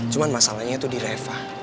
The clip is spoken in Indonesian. cuma masalahnya tuh di reva